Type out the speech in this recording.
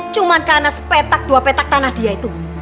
cuma karena sepetak dua petak tanah dia itu